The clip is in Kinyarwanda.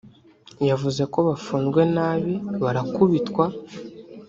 yavuze ko bafunzwe nabi barakubitwa